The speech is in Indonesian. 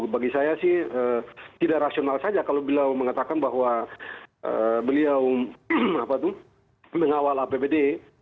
bagi saya sih tidak rasional saja kalau beliau mengatakan bahwa beliau mengawal apbd